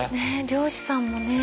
漁師さんもね。